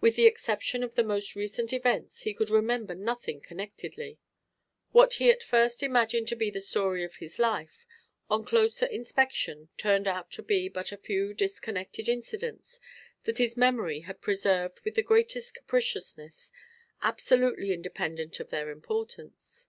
With the exception of the most recent events he could remember nothing connectedly. What he at first imagined to be the story of his life, on closer inspection turned out to be but a few disconnected incidents that his memory had preserved with the greatest capriciousness, absolutely independent of their importance.